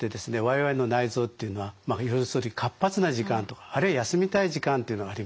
我々の内臓というのはまあ要するに活発な時間とかあるいは休みたい時間というのがありますね。